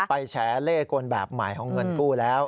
ไปแฉเลกลแบบหมายของเงินกู้แล้ว